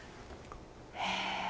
へえ！